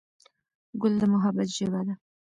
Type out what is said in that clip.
ګل د محبت ژبه ده.